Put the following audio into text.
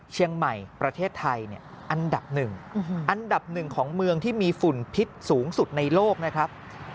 เชียงใหม่ประเทศไทยเนี่ยอันดับหนึ่งอันดับหนึ่งของเมืองที่มีฝุ่นพิษสูงสุดในโลกนะครับ